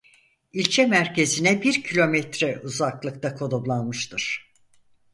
İlçe merkezine bir kilometre uzaklıkta konumlanmıştır.